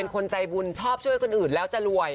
คนใจบุญชอบช่วยคนอื่นแล้วจะรวย